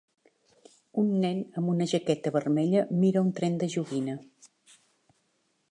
Un nen amb una jaqueta vermella mira un tren de joguina.